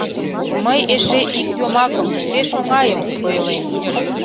Мый эше ик йомакым, пеш оҥайым, ойлем.